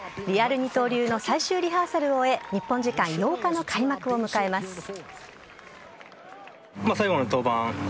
リアル二刀流の最終リハーサルを終え日本時間８日の開幕を迎えます。